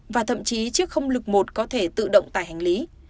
và thậm chí chiếc không lực một có thể tự động tải hành lý